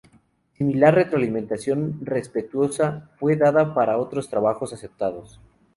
Similar retroalimentación respetuosa fue dada para otros trabajos aceptados.